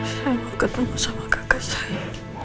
saya mau ketemu sama kakak saya